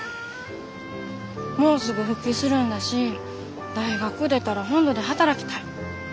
もうすぐ復帰するんだし大学出たら本土で働きたい。